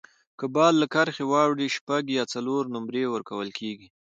که بال له کرښي واوړي، شپږ یا څلور نومرې ورکول کیږي.